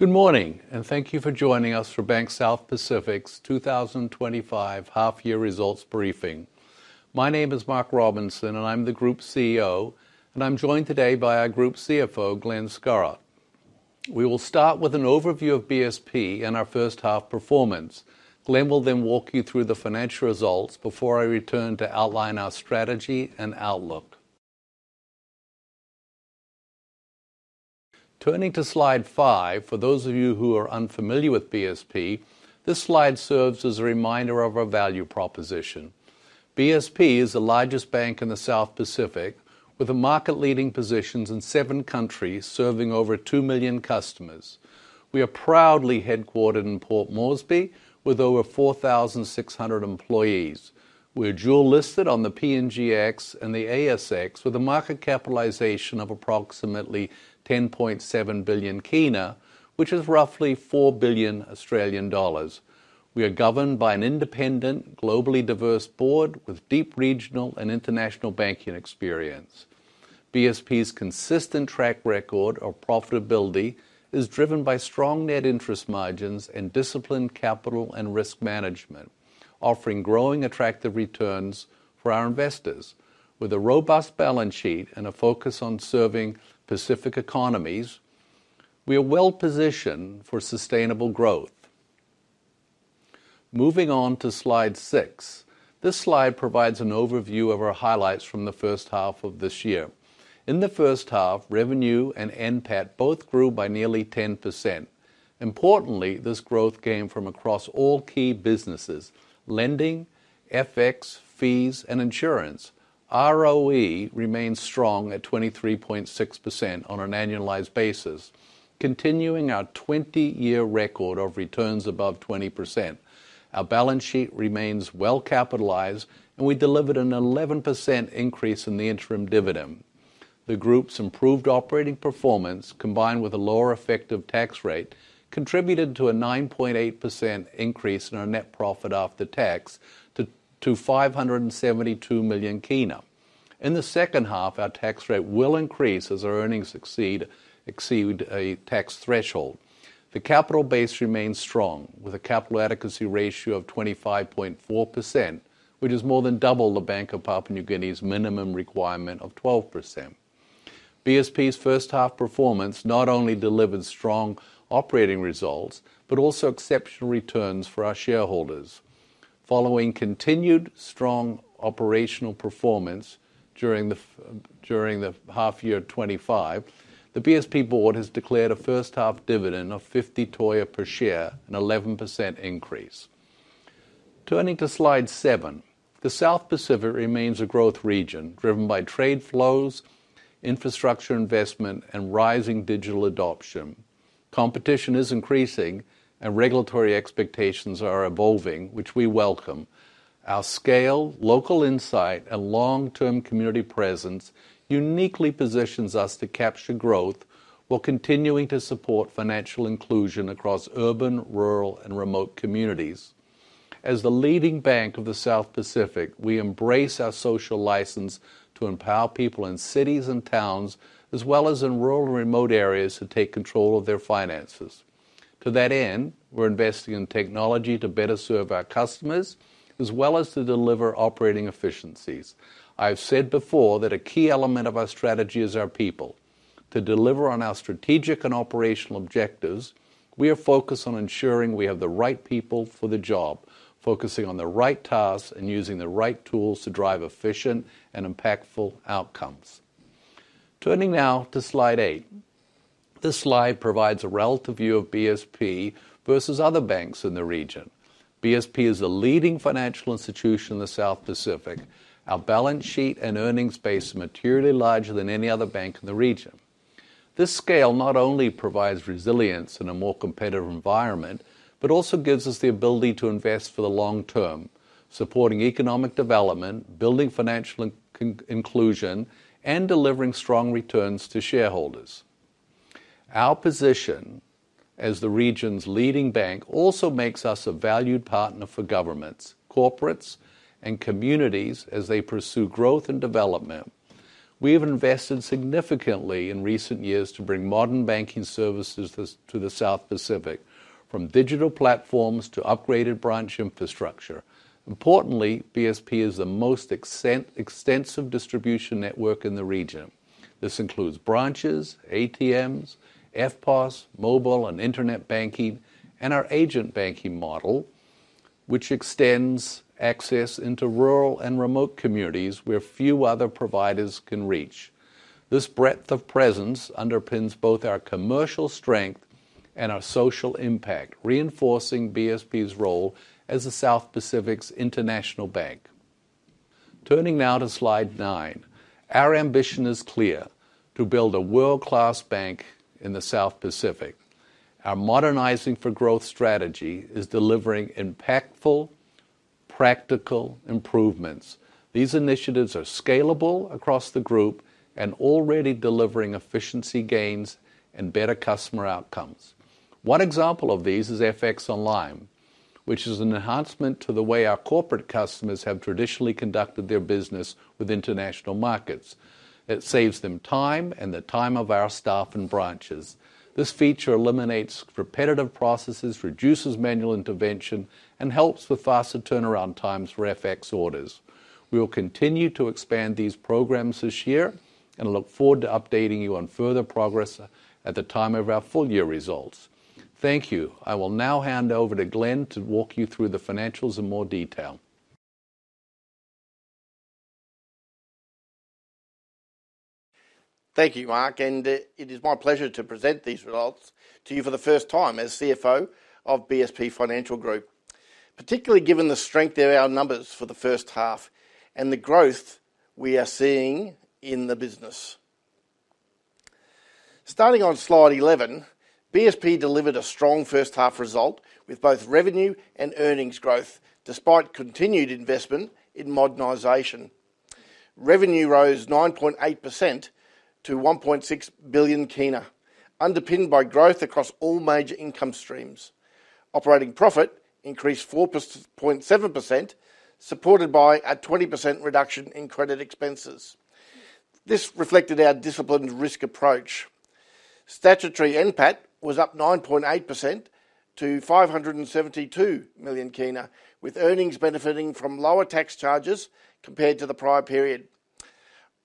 Good morning and thank you for joining us for Bank South Pacific Financial Group's 2025 half-year results briefing. My name is Mark Robinson and I'm the Group CEO, and I'm joined today by our Group CFO, Glen Skarott. We will start with an overview of BSP and our first-half performance. Glen will then walk you through the financial results before I return to outline our strategy and outlook. Turning to slide five, for those of you who are unfamiliar with BSP, this slide serves as a reminder of our value proposition. BSP is the largest bank in the South Pacific, with market-leading positions in seven countries, serving over 2 million customers. We are proudly headquartered in Port Moresby, with over 4,600 employees. We are dual-listed on the PNGX and the ASX, with a market capitalization of approximately PGK 10.7 billion, which is roughly 4 billion Australian dollars. We are governed by an independent, globally diverse board with deep regional and international banking experience. BSP's consistent track record of profitability is driven by strong net interest margins and disciplined capital and risk management, offering growing, attractive returns for our investors. With a robust balance sheet and a focus on serving Pacific economies, we are well-positioned for sustainable growth. Moving on to slide six, this slide provides an overview of our highlights from the first half of this year. In the first half, revenue and NPAT both grew by nearly 10%. Importantly, this growth came from across all key businesses: lending, FX, fees, and insurance. ROE remains strong at 23.6% on an annualized basis, continuing our 20-year record of returns above 20%. Our balance sheet remains well-capitalized, and we delivered an 11% increase in the interim dividend. The group's improved operating performance, combined with a lower effective tax rate, contributed to a 9.8% increase in our net profit after tax to PGK 572 million. In the second half, our tax rate will increase as our earnings exceed a tax threshold. The capital base remains strong, with a capital adequacy ratio of 25.4%, which is more than double the Bank of Papua New Guinea's minimum requirement of 12%. BSP's first-half performance not only delivered strong operating results but also exceptional returns for our shareholders. Following continued strong operational performance during the half-year 2025, the BSP board has declared a first-half dividend of PGK 0.50 per share, an 11% increase. Turning to slide seven, the South Pacific remains a growth region driven by trade flows, infrastructure investment, and rising digital adoption. Competition is increasing, and regulatory expectations are evolving, which we welcome. Our scale, local insight, and long-term community presence uniquely position us to capture growth while continuing to support financial inclusion across urban, rural, and remote communities. As the leading bank of the South Pacific, we embrace our social license to empower people in cities and towns, as well as in rural and remote areas, to take control of their finances. To that end, we're investing in technology to better serve our customers, as well as to deliver operating efficiencies. I've said before that a key element of our strategy is our people. To deliver on our strategic and operational objectives, we are focused on ensuring we have the right people for the job, focusing on the right tasks and using the right tools to drive efficient and impactful outcomes. Turning now to slide eight, this slide provides a relative view of BSP versus other banks in the region. BSP is the leading financial institution in the South Pacific. Our balance sheet and earnings base are materially larger than any other bank in the region. This scale not only provides resilience in a more competitive environment but also gives us the ability to invest for the long term, supporting economic development, building financial inclusion, and delivering strong returns to shareholders. Our position as the region's leading bank also makes us a valued partner for governments, corporates, and communities as they pursue growth and development. We have invested significantly in recent years to bring modern banking services to the South Pacific, from digital platforms to upgraded branch infrastructure. Importantly, BSP is the most extensive distribution network in the region. This includes branches, ATMs, FPOS, mobile and internet banking, and our agent banking model, which extends access into rural and remote communities where few other providers can reach. This breadth of presence underpins both our commercial strength and our social impact, reinforcing BSP's role as the South Pacific's international bank. Turning now to slide nine, our ambition is clear: to build a world-class bank in the South Pacific. Our modernizing for growth strategy is delivering impactful, practical improvements. These initiatives are scalable across the group and already delivering efficiency gains and better customer outcomes. One example of these is FX Online, which is an enhancement to the way our corporate customers have traditionally conducted their business with international markets. It saves them time and the time of our staff and branches. This feature eliminates repetitive processes, reduces manual intervention, and helps with faster turnaround times for FX orders. We will continue to expand these programs this year and look forward to updating you on further progress at the time of our full-year results. Thank you. I will now hand over to Glen Skarott to walk you through the financials in more detail. Thank you, Mark, and it is my pleasure to present these results to you for the first time as CFO of BSP Financial Group, particularly given the strength of our numbers for the first half and the growth we are seeing in the business. Starting on slide 11, BSP delivered a strong first-half result with both revenue and earnings growth despite continued investment in modernization. Revenue rose 9.8% to PGK 1.6 billion, underpinned by growth across all major income streams. Operating profit increased 4.7%, supported by a 20% reduction in credit expenses. This reflected our disciplined risk approach. Statutory NPAT was up 9.8% to PGK 572 million, with earnings benefiting from lower tax charges compared to the prior period.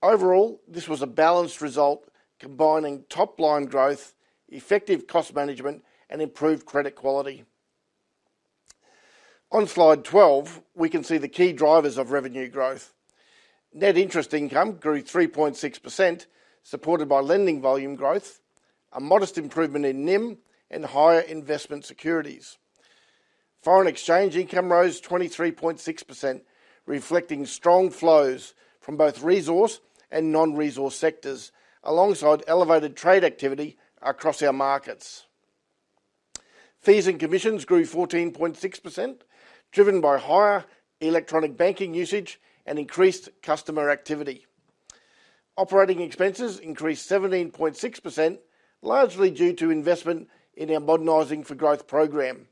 Overall, this was a balanced result combining top-line growth, effective cost management, and improved credit quality. On slide 12, we can see the key drivers of revenue growth. Net interest income grew 3.6%, supported by lending volume growth, a modest improvement in NIM, and higher investment securities. Foreign exchange income rose 23.6%, reflecting strong flows from both resource and non-resource sectors, alongside elevated trade activity across our markets. Fees and commissions grew 14.6%, driven by higher electronic banking usage and increased customer activity. Operating expenses increased 17.6%, largely due to investment in our modernizing for growth program.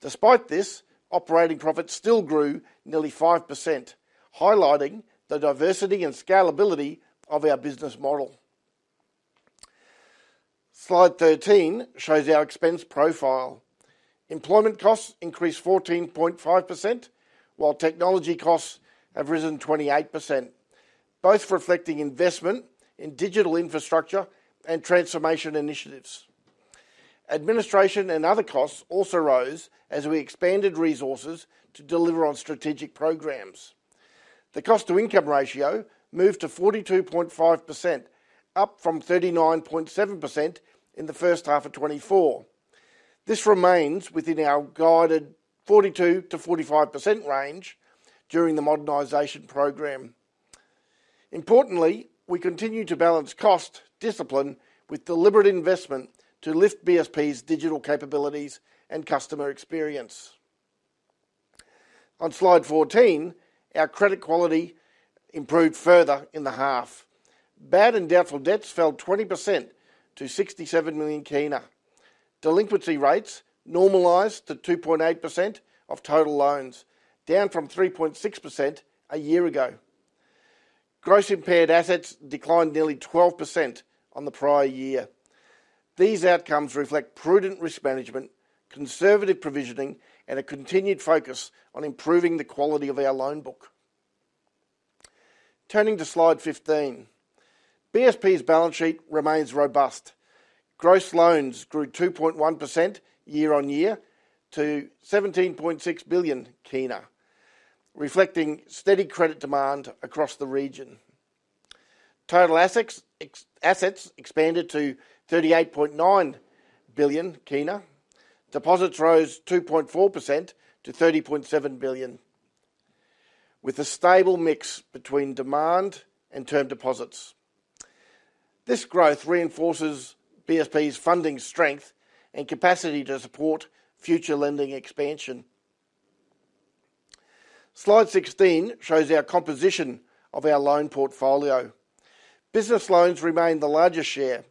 Despite this, operating profits still grew nearly 5%, highlighting the diversity and scalability of our business model. Slide 13 shows our expense profile. Employment costs increased 14.5%, while technology costs have risen 28%, both reflecting investment in digital infrastructure and transformation initiatives. Administration and other costs also rose as we expanded resources to deliver on strategic programs. The cost-to-income ratio moved to 42.5%, up from 39.7% in the first half of 2024. This remains within our guided 42%-45% range during the modernization program. Importantly, we continue to balance cost discipline with deliberate investment to lift BSP's digital capabilities and customer experience. On slide 14, our credit quality improved further in the half. Bad and doubtful debts fell 20% to PGK 67 million. Delinquency rates normalized to 2.8% of total loans, down from 3.6% a year ago. Gross impaired assets declined nearly 12% on the prior year. These outcomes reflect prudent risk management, conservative provisioning, and a continued focus on improving the quality of our loan book. Turning to slide 15, BSP's balance sheet remains robust. Gross loans grew 2.1% year-on-year to PGK 17.6 billion, reflecting steady credit demand across the region. Total assets expanded to K38.9 billion. Deposits rose 2.4% to PGK 30.7 billion, with a stable mix between demand and term deposits. This growth reinforces BSP's funding strength and capacity to support future lending expansion. Slide 16 shows our composition of our loan portfolio. Business loans remain the largest share,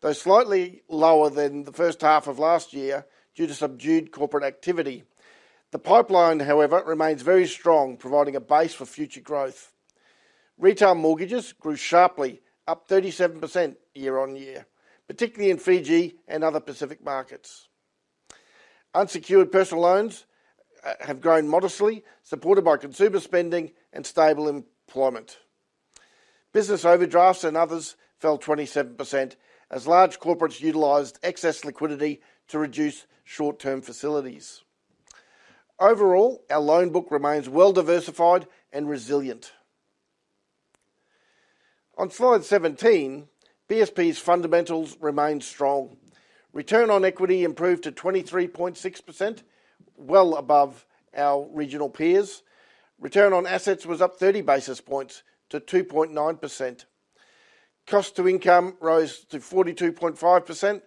though slightly lower than the first half of last year due to subdued corporate activity. The pipeline, however, remains very strong, providing a base for future growth. Retail mortgages grew sharply, up 37% year-on-year, particularly in Fiji and other Pacific markets. Unsecured personal loans have grown modestly, supported by consumer spending and stable employment. Business overdrafts and others fell 27% as large corporates utilized excess liquidity to reduce short-term facilities. Overall, our loan book remains well-diversified and resilient. On slide 17, BSP's fundamentals remain strong. Return on equity improved to 23.6%, well above our regional peers. Return on assets was up 30 basis points to 2.9%. Cost-to-income rose to 42.5%,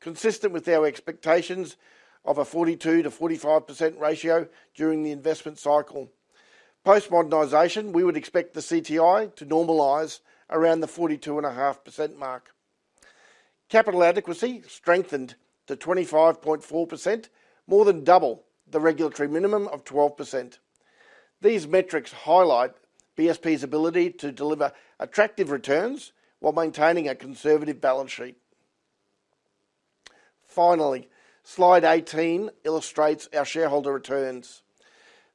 consistent with our expectations of a 42%-45% ratio during the investment cycle. Post-modernization, we would expect the cost-to-income ratio to normalize around the 42.5% mark. Capital adequacy strengthened to 25.4%, more than double the regulatory minimum of 12%. These metrics highlight BSP's ability to deliver attractive returns while maintaining a conservative balance sheet. Finally, slide 18 illustrates our shareholder returns.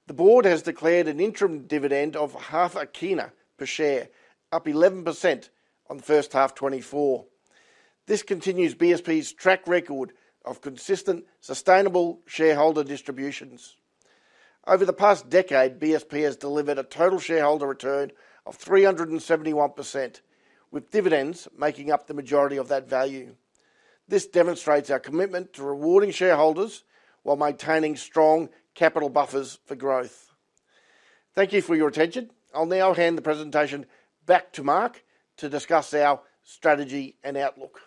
The board has declared an interim dividend of PGK 0.50 per share, up 11% on the first half of 2024. This continues BSP's track record of consistent, sustainable shareholder distributions. Over the past decade, BSP has delivered a total shareholder return of 371.10%, with dividends making up the majority of that value. This demonstrates our commitment to rewarding shareholders while maintaining strong capital buffers for growth. Thank you for your attention. I'll now hand the presentation back to Mark to discuss our strategy and outlook.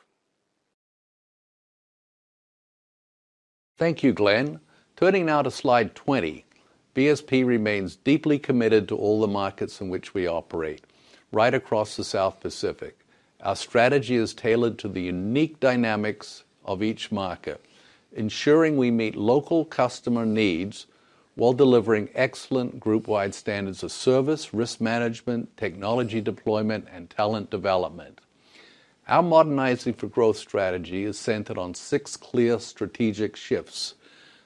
Thank you, Glen. Turning now to slide 20, BSP remains deeply committed to all the markets in which we operate. Right across the South Pacific, our strategy is tailored to the unique dynamics of each market, ensuring we meet local customer needs while delivering excellent group-wide standards of service, risk management, technology deployment, and talent development. Our modernizing for growth strategy is centered on six clear strategic shifts.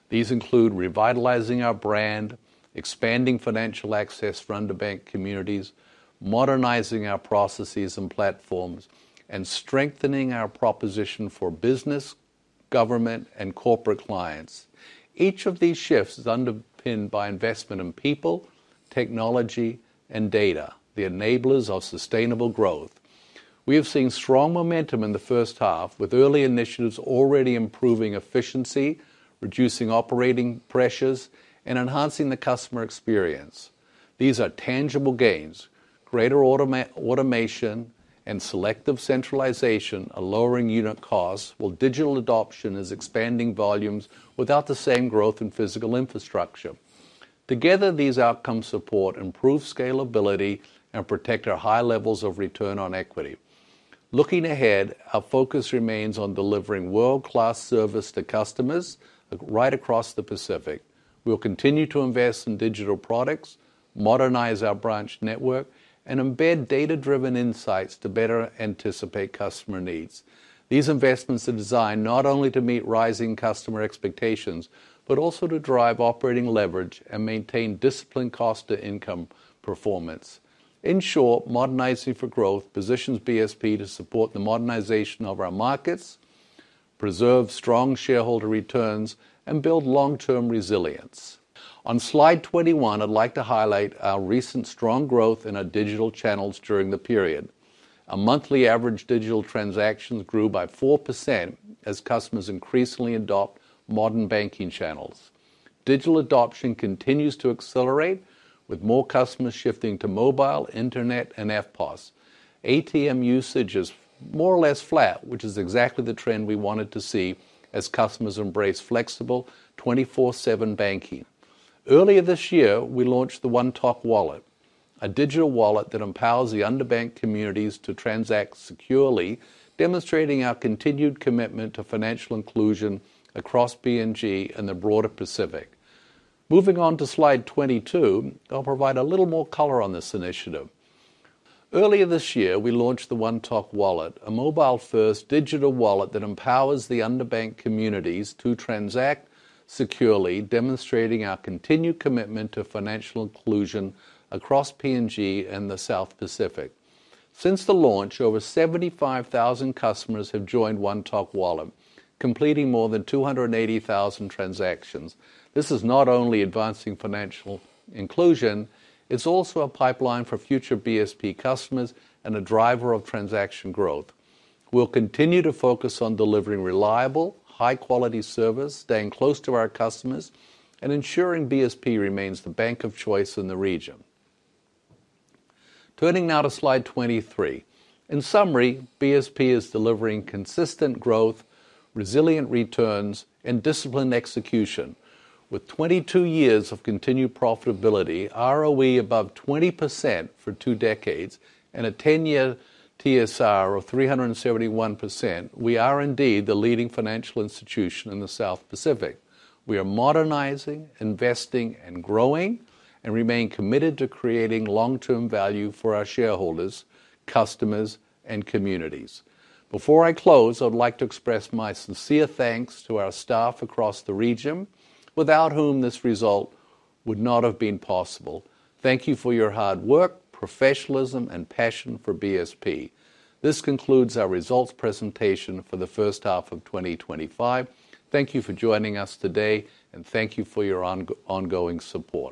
These include revitalizing our brand, expanding financial access for underbanked communities, modernizing our processes and platforms, and strengthening our proposition for business, government, and corporate clients. Each of these shifts is underpinned by investment in people, technology, and data, the enablers of sustainable growth. We have seen strong momentum in the first half, with early initiatives already improving efficiency, reducing operating pressures, and enhancing the customer experience. These are tangible gains: greater automation and selective centralization are lowering unit costs, while digital adoption is expanding volumes without the same growth in physical infrastructure. Together, these outcomes support improved scalability and protect our high levels of return on equity. Looking ahead, our focus remains on delivering world-class service to customers right across the Pacific. We'll continue to invest in digital products, modernize our branch network, and embed data-driven insights to better anticipate customer needs. These investments are designed not only to meet rising customer expectations but also to drive operating leverage and maintain disciplined cost-to-income performance. In short, modernizing for growth positions BSP to support the modernization of our markets, preserve strong shareholder returns, and build long-term resilience. On slide 21, I'd like to highlight our recent strong growth in our digital channels during the period. Our monthly average digital transactions grew by 4% as customers increasingly adopt modern banking channels. Digital adoption continues to accelerate, with more customers shifting to mobile, internet, and FPOS. ATM usage is more or less flat, which is exactly the trend we wanted to see as customers embrace flexible, 24/7 banking. Earlier this year, we launched the OneTalk Wallet, a digital wallet that empowers the underbanked communities to transact securely, demonstrating our continued commitment to financial inclusion across BSP and the broader Pacific. Moving on to slide 22, I'll provide a little more color on this initiative. Earlier this year, we launched the OneTalk Wallet, a mobile-first digital wallet that empowers the underbanked communities to transact securely, demonstrating our continued commitment to financial inclusion across Papua New Guinea and the South Pacific. Since the launch, over 75,000 customers have joined OneTalk Wallet, completing more than 280,000 transactions. This is not only advancing financial inclusion, it's also a pipeline for future BSP customers and a driver of transaction growth. We'll continue to focus on delivering reliable, high-quality service, staying close to our customers, and ensuring BSP remains the bank of choice in the region. Turning now to slide 23. In summary, BSP is delivering consistent growth, resilient returns, and disciplined execution. With 22 years of continued profitability, ROE above 20% for two decades, and a 10-year TSR of 371%, we are indeed the leading financial institution in the South Pacific. We are modernizing, investing, and growing, and remain committed to creating long-term value for our shareholders, customers, and communities. Before I close, I'd like to express my sincere thanks to our staff across the region, without whom this result would not have been possible. Thank you for your hard work, professionalism, and passion for BSP. This concludes our results presentation for the first half of 2025. Thank you for joining us today, and thank you for your ongoing support.